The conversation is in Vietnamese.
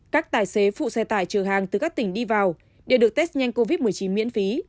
các tài xế phụ xe tải chở hàng từ các tỉnh đi vào đều được test nhanh covid một mươi chín miễn phí